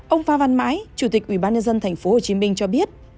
ông phan văn mãi chủ tịch ubnd tp hcm cho biết